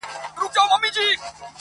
ویل گوره تا مي زوی دئ را وژلی؛